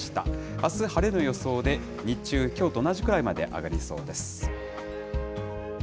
あす、晴れの予想で、日中、きょうと同じくらいまで上がりそうです。